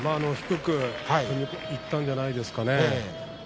低くいったんじゃないですか。